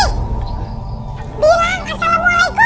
kan be tua